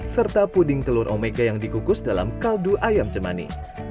serta puding telur omega yang dikukus dalam kaldu ayam cemani